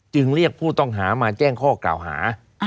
เรียกผู้ต้องหามาแจ้งข้อกล่าวหา